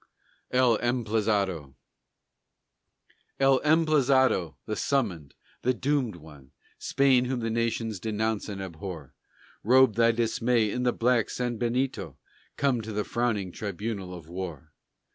EL EMPLAZADO El Emplazado, the Summoned, the Doomed One, Spain whom the nations denounce and abhor, Robe thy dismay in the black sanbenito, Come to the frowning tribunal of war.